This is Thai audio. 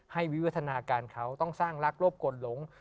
วิวัฒนาการเขาต้องสร้างรักรบกวนหลง